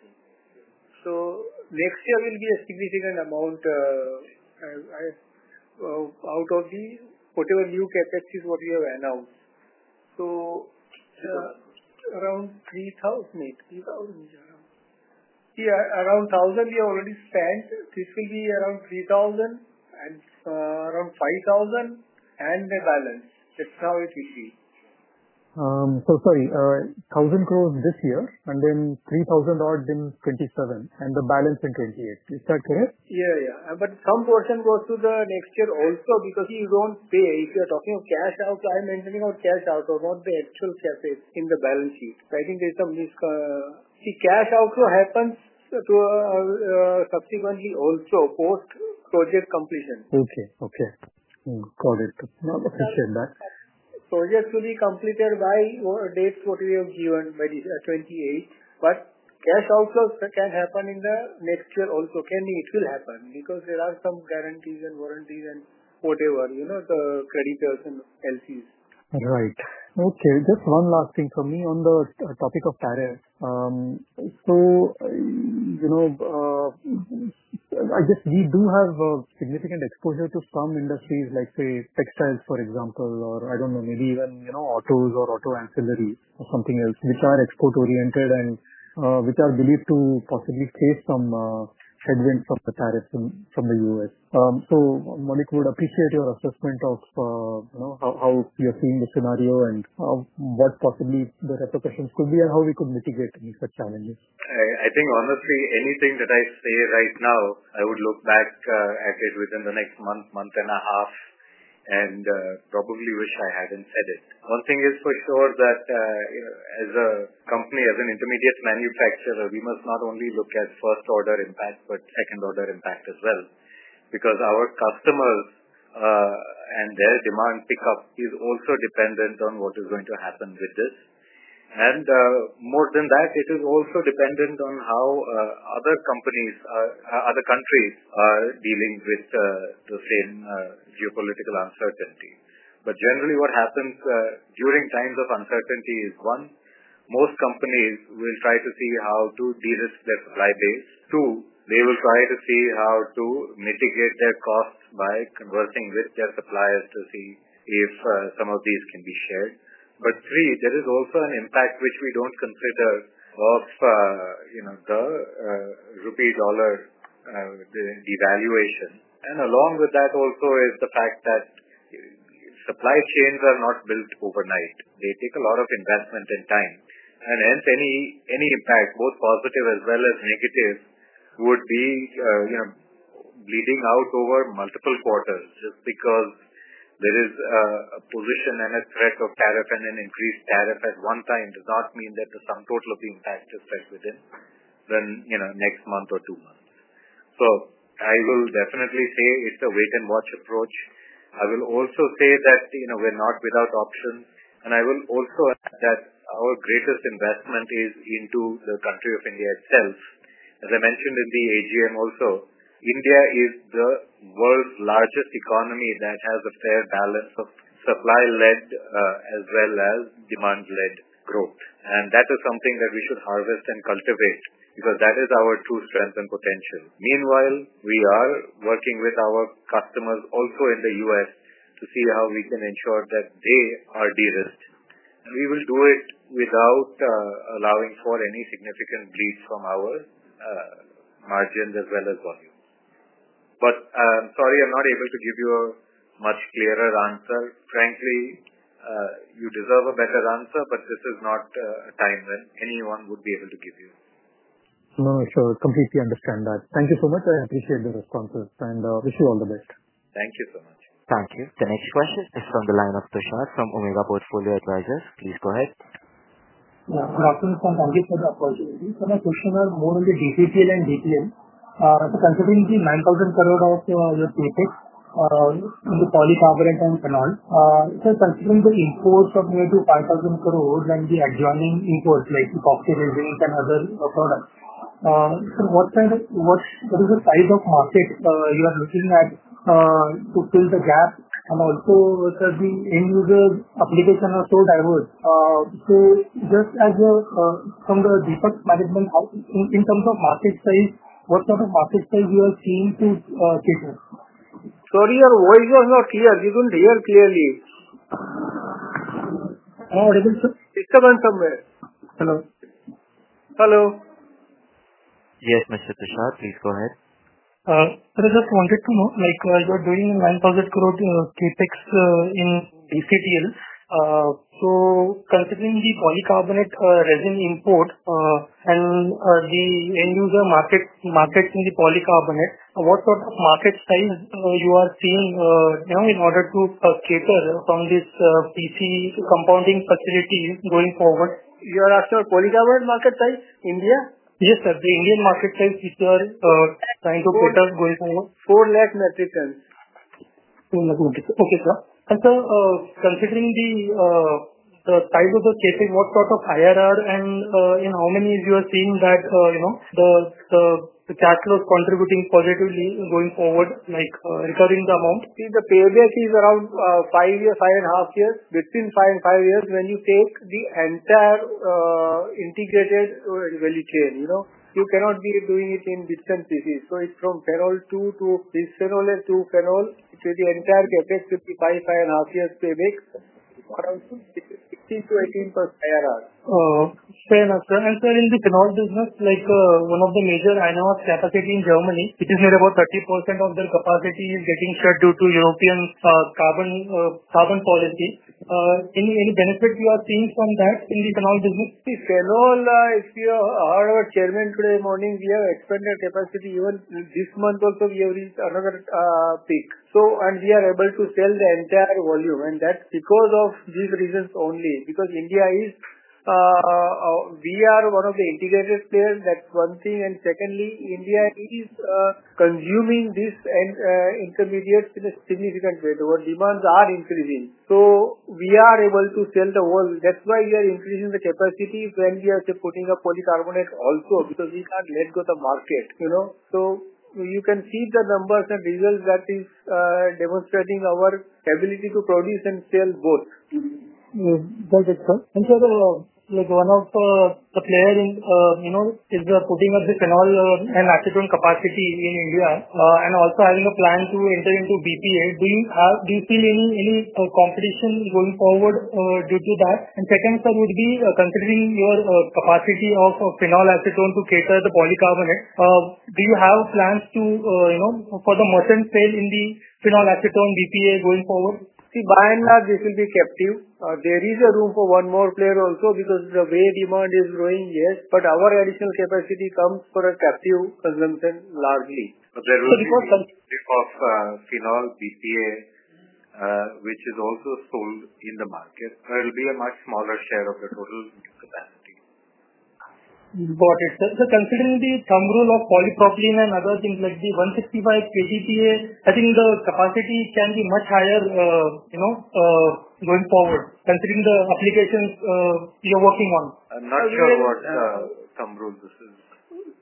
Next year will be a significant amount out of whatever new CapEx is what we have announced. Around 2,000, 3,000. Yeah, around 1,000 we already spent. This will be around 3,000 and around 5,000 and the balance. That's how it will be. 1,000 crore this year and then 3,000 crore in 2027 and the balance in 2028. Is that correct? Yeah, yeah. Some portion goes to the next year also because he won't pay. If you're talking of cash out, I'm mentioning our cash out, not the actual CapEx in the balance sheet. I think there's some, see, cash outflow happens subsequently also post-project completion. Okay. Got it. I appreciate that. Projects will be completed by dates what we have given, which is 2028. Cash outflows can happen in the next year also. It will happen because there are some guarantees and warranties and whatever, you know, the creditors and LCs. Right. Okay. Just one last thing for me on the topic of tariff. I guess we do have a significant exposure to some industries like, say, textiles, for example, or I don't know, maybe even, you know, autos or auto ancillary or something else which are export-oriented and which are believed to possibly face some headwinds from the tariffs from the U.S. Maulik, would appreciate your assessment of, you know, how you're seeing the scenario and what possibly the repercussions could be and how we could mitigate these challenges. I think, honestly, anything that I say right now, I would look back at it within the next month, month and a half, and probably wish I hadn't said it. One thing is for sure, as a company, as an intermediate manufacturer, we must not only look at first-order impact, but second-order impact as well because our customers and their demand pickup is also dependent on what is going to happen with this. More than that, it is also dependent on how other companies, other countries are dealing with the same geopolitical uncertainty. Generally, what happens during times of uncertainty is, one, most companies will try to see how to de-risk their supply base. Two, they will try to see how to mitigate their costs by conversing with their suppliers to see if some of these can be shared. Three, there is also an impact which we don't consider of the rupee dollar devaluation. Along with that also is the fact that supply chains are not built overnight. They take a lot of investment and time. Hence, any impact, both positive as well as negative, would be bleeding out over multiple quarters. Just because there is a position and a threat of tariff and an increased tariff at one time does not mean that the sum total of the impact is fixed within the next month or two months. I will definitely say it's a wait-and-watch approach. I will also say that we're not without options. I will also add that our greatest investment is into the country of India itself. As I mentioned in the AGM also, India is the world's largest economy that has a fair balance of supply-led as well as demand-led growth. That is something that we should harvest and cultivate because that is our true strength and potential. Meanwhile, we are working with our customers also in the U.S. to see how we can ensure that they are de-risked. We will do it without allowing for any significant bleeds from our margins as well as volume. Sorry, I'm not able to give you a much clearer answer. Frankly, you deserve a better answer, but this is not a time when anyone would be able to give you. Sure. I completely understand that. Thank you so much. I appreciate the responses and wish you all the best. Thank you so much. Thank you. The next question is from the line of Prashanth from Omega Portfolio Advisors. Please go ahead. Yeah, good afternoon. Thank you for the opportunity. My question was more on the BCPL and DPL. Considering the 9,000 crore of your CapEx in the polycarbonate and phenol, considering the imports of near to 5,000 crore and the adjoining imports like the coffee raisins and other products, what kind of, what's the type of markets you are looking at to fill the gap? Also, the end-user applications are so diverse. Just as a, from the Deepak management, how in terms of market size, what type of market size you are seeing to cater? Sorry, your voice was not clear. Couldn't hear clearly. Oh, it is a speaker on somewhere. Hello? Hello. Yes, Mr. Prashant, please go ahead. I just wanted to know, like, you are doing 9,000 crore CapEx in BCPLs. So considering the polycarbonate resin import, and the end-user markets in the polycarbonate, what sort of market size are you seeing now in order to cater from this PC compounding facility going forward? You are after polycarbonate market size? India? Yes, sir. The Indian market size which you are trying to cater going forward? Four lakh metric tons. Four lakh metric tons. Okay, sir. And sir, considering the type of the CapEx, what sort of higher IRR and in how many years are you seeing that, you know, the cash flow is contributing positively going forward, like, regarding the whole? See, the payback is around five years, five and a half years. Within five and a half years, when you face the entire integrated value chain, you know, you cannot be doing it in different phases. It is from ferro to bisphenol F to ferrol. It is the entire CapEx, five and a half years payback. Around 15%-18% higher IRR. And sir, in the phenol business, like, one of the major animals Chem Tech in Germany, it is at about 30% of their capacity is getting shut due to European carbon policy. Any benefit you are seeing from that in the phenol business? See, ferrol, as your Chairman today morning, we have expanded our capacity even this month. Also, we have reached another peak. We are able to sell the entire volume. That is because of these reasons only. Because India is, we are one of the integrated players. That is one thing. Secondly, India is consuming this and intermediates in a significant way. The world demands are increasing. We are able to sell the world. That is why we are increasing the capacity when we are supporting the polycarbonate also because we can't let go of the market, you know. You can see the numbers and results that is demonstrating our ability to produce and sell both. Thank you, sir. One of the players is putting up phenol and acetone capacity in India and also having a plan to enter into BPA. Do you have BPA any competition going forward due to that? Second, sir, considering your capacity of phenol and acetone to cater to the polycarbonate, do you have plans for the merchant sale in phenol, acetone, and BPA going forward? See, Banyan Labs is in the captive. There is room for one more player also because the way demand is growing, yes. Our additional capacity comes for a captive consumption largely. Because of phenol BPA, which is also sold in the market, it would be a much smaller share of the total capacity. Got it. Sir, considering the thumb roll of polypropylene and other things like the 165 KTPA, I think the capacity can be much higher, you know, going forward considering the applications you're working on. I'm not sure what thumb roll this is. Yeah, this is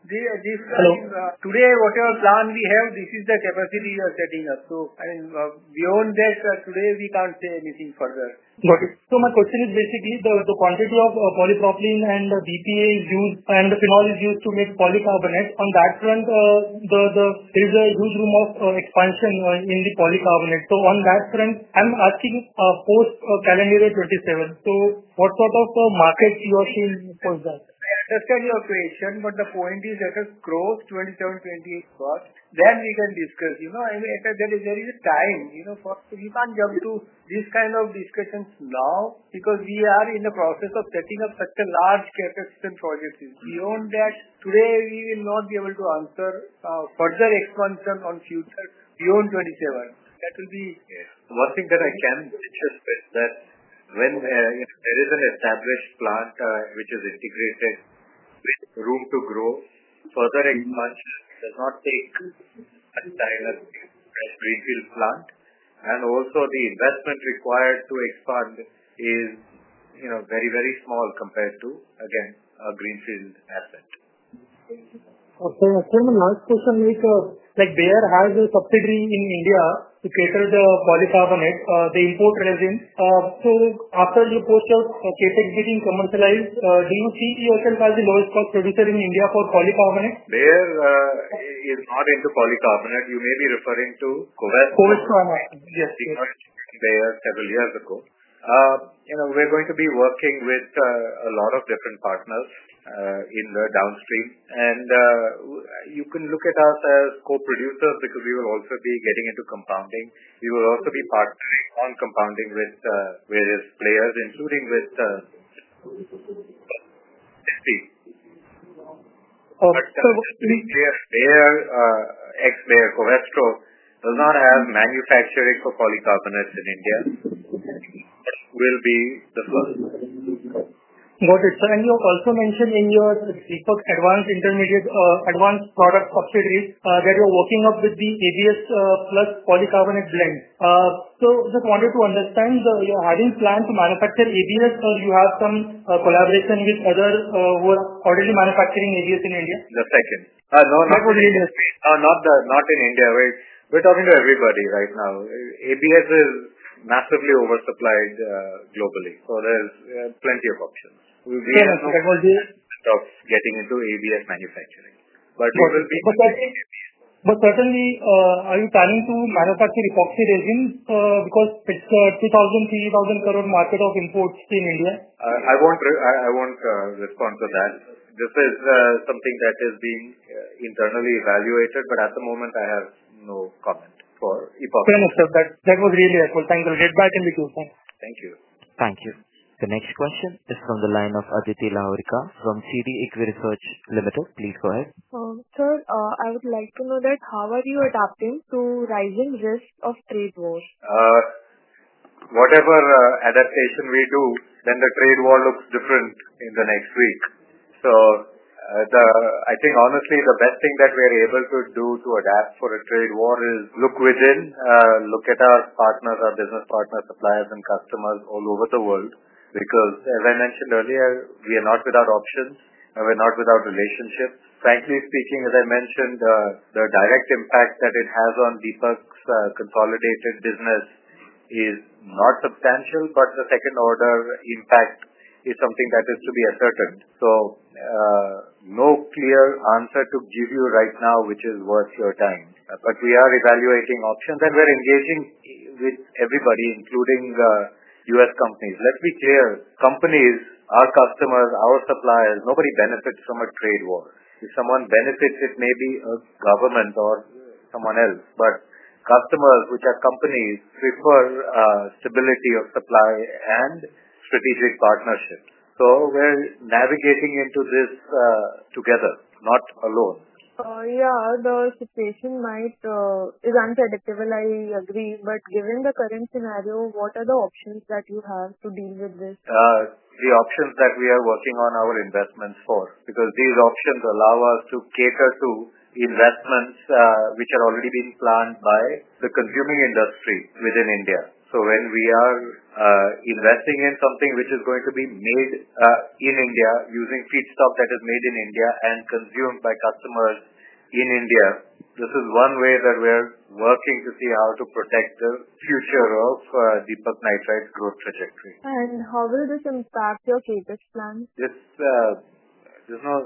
today whatever plan we have, this is the capacity we are setting up. I mean, beyond that, today we can't say anything further. Got it. My question is basically the quantity of polypropylene and the BPA is used and the phenol is used to make polycarbonate. On that front, there is a huge room of expansion in the polycarbonate. On that front, I'm asking post-Calendar year 2027. What sort of markets are you seeing post that? That's kind of your question. The point is that as growth 2027/2028 works, then we can discuss. There is a time for that; we can't jump to these kinds of discussions now because we are in the process of setting up such a large CapEx project. Beyond that, today we will not be able to answer further expansion on future beyond 2027. That will be. Yeah. One thing that I can say is that when there is an established plant, which is integrated, with room to grow further, it does not take as tight as a greenfield plant. Also, the investment required to expand is, you know, very, very small compared to, again, a greenfield asset. Thank you. Sir, my last question is, like, Bayer has a subsidiary in India to cater the polycarbonate, the import resins. After you post out CapEx getting commercialized, do you see yourself as the lowest cost producer in India for polycarbonate? Bayer is not into polycarbonate. You may be referring to Covestro. Xovac Pharma, yes, yes. Because Bayer several years ago, you know, we're going to be working with a lot of different partners in the downstream. You can look at us as co-producers because we will also be getting into compounding. We will also be partnering on compounding with various players, including with SPE. Okay. Yes, Bayer, ex-Bayer Covestro does not have manufacturing for polycarbonate in India. It will be the first. Got it. Sir, you also mentioned in your research advanced intermediate, advanced product subsidiaries that you're working up with the ABS plus polycarbonate blends. I just wanted to understand, are you planning to manufacture ABS or do you have some collaboration with others who are already manufacturing ABS in India? The second. No, not within India. Not in India. We're talking to everybody right now. ABS is massively oversupplied globally, so there's plenty of options. We have no idea of getting into ABS manufacturing. For the. Are you planning to manufacture epoxy resins, because it's a INR 3,000 crore market of imports in India? I won't respond to that. This is something that is being internally evaluated. At the moment, I have no comment for epoxy. Fair enough, sir. That was really helpful. Thank you. Let's get back in the queue. Thank you. Thank you. The next question is from the line of Aditi Loharuka from CD Equisearch Limited. Please go ahead. Sir, I would like to know how are you adapting to rising risks of trade wars? Whatever adaptation we do, then the trade war looks different in the next week. I think honestly, the best thing that we're able to do to adapt for a trade war is look within, look at our partners, our business partners, suppliers, and customers all over the world. As I mentioned earlier, we are not without options. We're not without relationships. Frankly speaking, as I mentioned, the direct impact that it has on Deepak's consolidated business is not substantial, but the second-order impact is something that is to be asserted. No clear answer to give you right now, which is worth your time. We are evaluating options and we're engaging with everybody, including the U.S. companies. Let's be clear. Companies, our customers, our suppliers, nobody benefits from a trade war. If someone benefits, it may be a government or someone else. Customers, which are companies, prefer stability of supply and strategic partnership. We're navigating into this, together, not alone. Yeah, the situation is unpredictable. I agree. Given the current scenario, what are the options that you have to deal with this? The options that we are working on are investments for, because these options allow us to cater to investments which are already being planned by the consuming industry within India. When we are investing in something which is going to be made in India using feedstock that is made in India and consumed by customers in India, this is one way that we're working to see how to protect the future of Deepak Nitrite growth trajectory. How will this impact your CapEx plans? There's no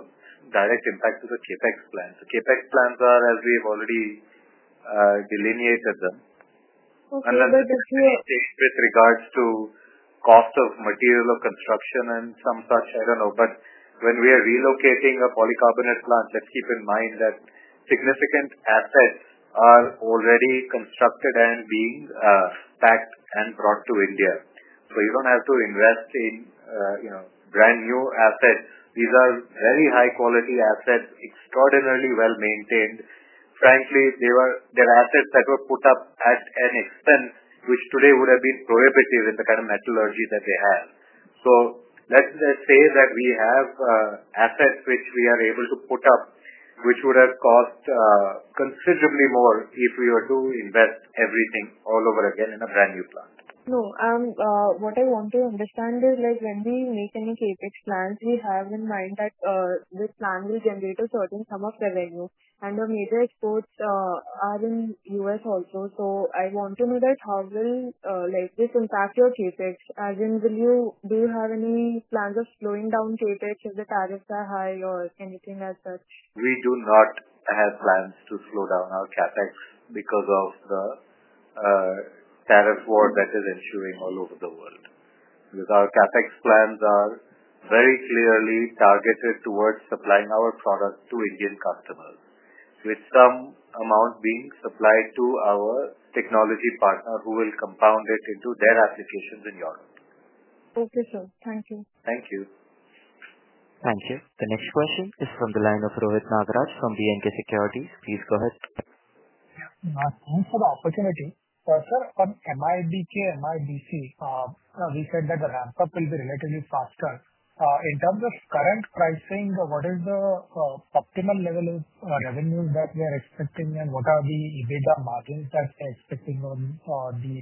direct impact to the CapEx plans. The CapEx plans are, as we've already delineated them. Okay. It's with regards to cost of material of construction and some such, I don't know. When we are relocating a polycarbonate plant, let's keep in mind that significant assets are already constructed and being packed and brought to India. You don't have to invest in, you know, brand new assets. These are very high-quality assets, extraordinarily well-maintained. Frankly, they were assets that were put up at an expense which today would have been prohibitive in the kind of metallurgy that they have. Let's say that we have assets which we are able to put up, which would have cost considerably more if we were to invest everything all over again in a brand new plant. What I want to understand is, like, when we're making a CapEx plant, we have in mind that this plant will generate a certain sum of revenue. The major exports are in the U.S. also. I want to know how will this impact your CapEx? As in, do you have any plans of slowing down CapEx if the tariffs are high or anything as such? We do not have plans to slow down our CapEx because of the tariff war that is ensuing all over the world. Our CapEx plans are very clearly targeted towards supplying our products to Indian customers, with some amount being supplied to our technology partner who will compound it into their applications in Europe. Okay, sir. Thank you. Thank you. Thank you. The next question is from the line of Rohit Nagrath from B&K Securities. Please go ahead. Thanks for the opportunity. Sir, on MIBC, MIBC, we said that the ramp-up will be relatively faster. In terms of current pricing, what is the optimum level of revenue that we are expecting? What are the EBITDA margins that we are expecting on the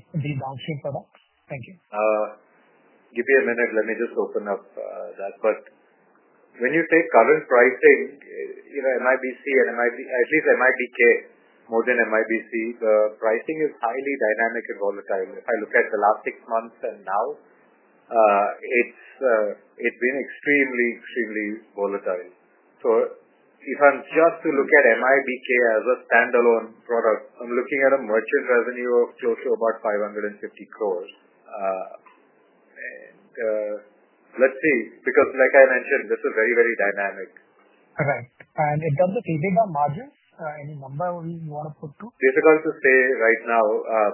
downstream products? Thank you. Give me a minute. Let me just open up that part. When you take current pricing, you know, MIBC and at least MIBK, more than MIBC, the pricing is highly dynamic and volatile. If I look at the last six months and now, it's been extremely, extremely volatile. If I'm just to look at MIBK as a standalone product, I'm looking at a merchant revenue of just about 550 crore. Let's see, because like I mentioned, this is very, very dynamic. Right. In terms of EBITDA margins, any number you want to put to? Difficult to say right now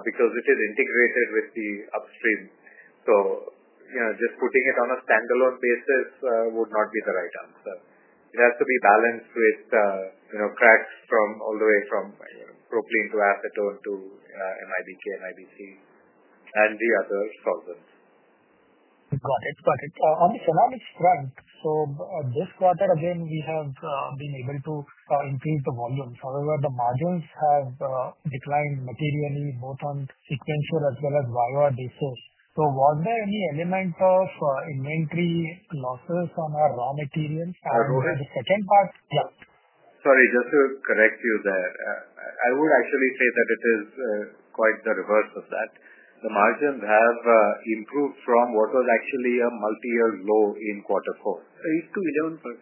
because it is integrated with the upstream. Just putting it on a standalone basis would not be the right answer. It has to be balanced with CREX from all the way from propylene to acetone to MIBK and MIBC and the other solvents. Got it. Got it. On the phenolic strength, this quarter, we have been able to increase the volumes. However, the margins have declined materially both on acetone as well as phenol. Was there any element of inventory losses on our raw materials? I would. The second part? Sorry, just to correct you there, I would actually say that it is quite the reverse of that. The margins have improved from what was actually a multi-year low in quarter four. It's to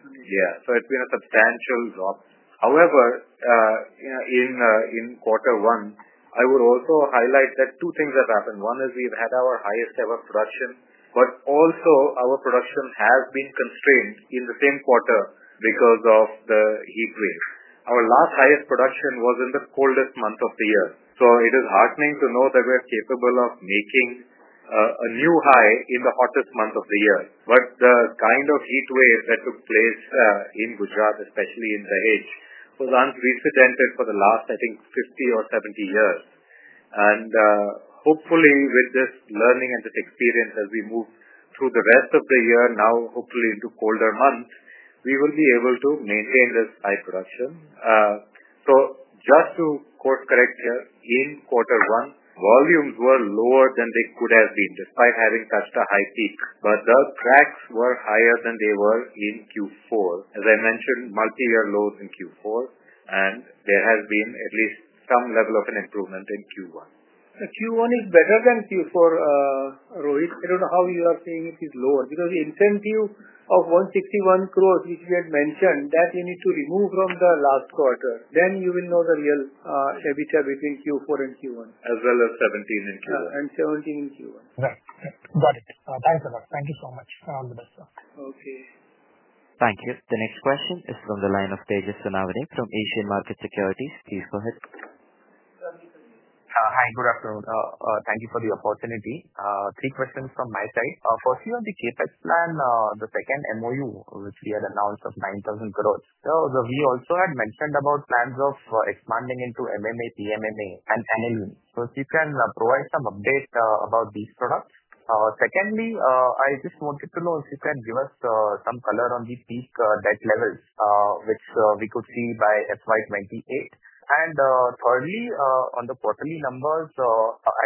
11%. Yeah. It's been a substantial drop. However, in quarter one, I would also highlight that two things have happened. One is we've had our highest ever production, but also our production has been constrained in the same quarter because of the heat wave. Our last highest production was in the coldest month of the year. It is heartening to know that we're capable of making a new high in the hottest month of the year. The kind of heat wave that took place in Gujarat, especially in the H, was unprecedented for the last, I think, 50 years or 70 years. Hopefully, with this learning and this experience as we move through the rest of the year, now hopefully to colder months, we will be able to maintain this high production. Just to quote correctly, in quarter one, volumes were lower than they could have been despite having such a high peak. The CREX were higher than they were in Q4. As I mentioned, multi-year lows in Q4, and there has been at least some level of an improvement in Q1. Q1 is better than Q4, Rohit. I don't know how you are saying it is lower because the incentive of 161 crore, which we had mentioned, you need to remove from the last quarter. You will know the real EBITDA between Q4 and Q1. As well as 17 in Q1. 17 in Q1. Right. Got it. Thanks a lot. Thank you so much. Okay. Thank you. The next question is from the line of Tegus Anavade from Asian Market Securities. Please go ahead. Hi. Good afternoon. Thank you for the opportunity. Three questions from my side. First, you have the CapEx plan, the second MOU, which we had announced of INR 9,000 crore. We also had mentioned about plans of expanding into MMA, PMMA. And Anil, first, you can provide some updates about these products. Secondly, I just wanted to know if you can give us some color on these peak debt levels, which we could see by FY 2028. Thirdly, on the quarterly numbers,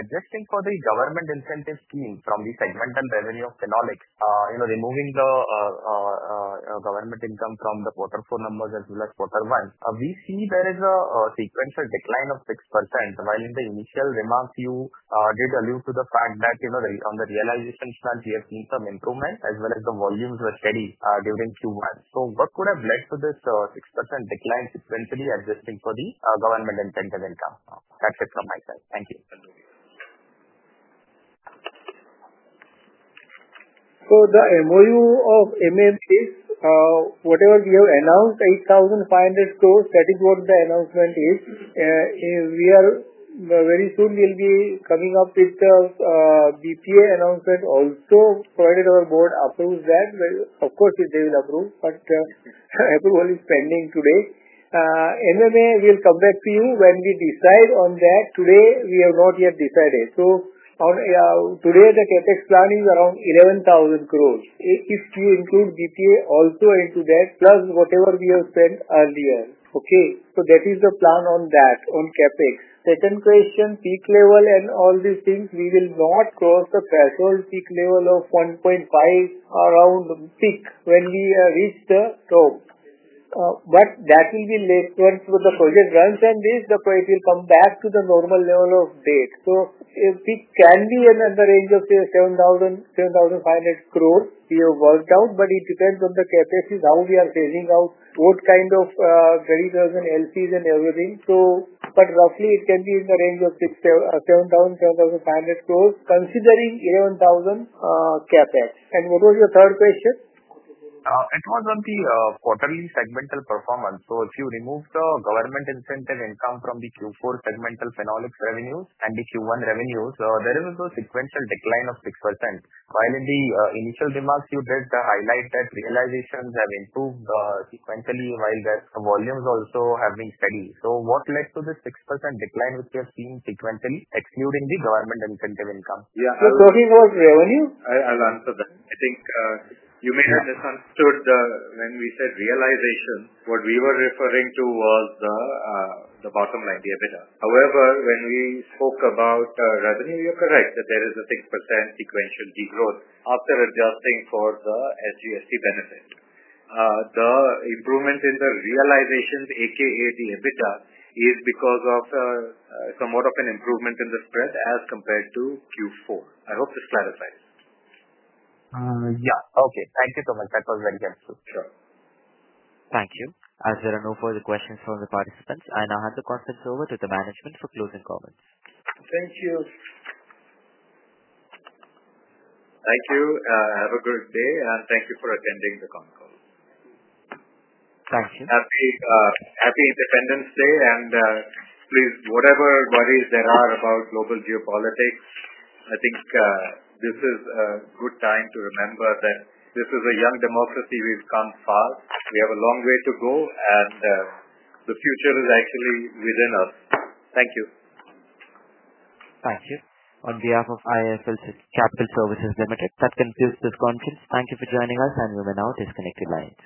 adjusting for the government incentive scheme from the segment and revenue of phenolic, you know, removing the government income from the quarter four numbers as well as quarter one. We see there is a sequential decline of 6%. While in the initial remarks, you did allude to the fact that, you know, on the realization strength, we have seen some improvement as well as the volumes were steady during Q1. What could have led to this 6% decline sequentially adjusting for the government incentive income? That's it from my side. Thank you. For the MOU of MMTs, whatever we have announced, 8,500 crore, that is what the announcement is. We very soon will be coming up with the BPO announcement. Also, prior to our board approves that, of course, they will approve, but the approval is pending today. MMA, we'll come back to you when we decide on that. Today, we have not yet decided. On today, the CapEx plan is around 11,000 crore. It's to include BPO also into that, plus whatever we have spent earlier. Okay? That is the plan on that, on CapEx. Second question, peak level and all these things, we will not cross the threshold peak level of 1.5, around peak when we reach the top. That will be left to the project runs and if the price will come back to the normal level of date. If it can be in the range of, say, 7,000, 7,500 crore, we have worked out, but it depends on the CapEx, how we are phasing out, what kind of, 30,000 LCs and everything. Roughly, it can be in the range of 6,000, 7,000, 7,500 crore considering 11,000 CapEx. What was your third question? It was on the quarterly segmental performance. If you remove the government incentive income from the Q4 segmental phenolic revenues and the Q1 revenues, there is also a sequential decline of 6%. In the initial remarks, you did highlight that realizations have improved sequentially while the volumes also have been steady. What led to this 6% decline which we are seeing sequentially, excluding the government incentive income? Yeah. We're talking about revenue? I'll answer that. I think you may have misunderstood when we said realization. What we were referring to was the bottom line EBITDA. However, when we spoke about revenue, you're correct that there is a 6% sequential degrowth after adjusting for the SUSC benefit. The improvement in the realizations, aka the EBITDA, is because of somewhat of an improvement in the spread as compared to Q4. I hope this clarifies. Yeah, okay. Thank you so much. That was very helpful. Sure. Thank you. As there are no further questions from the participants, I now hand the conference over to the management for closing comments. Thank you. Thank you. Have a great day. Thank you for attending the comment call. Thank you. Happy Independence Day. Please, whatever worries there are about global geopolitics, I think this is a good time to remember that this is a young democracy. We've come far, we have a long way to go, and the future is actually within us. Thank you. Thank you. On behalf of Deepak Nitrite Limited, that concludes this conference. Thank you for joining us, and we will now disconnect the line.